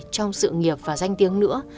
trong sự nghiệp và danh tiếng nữa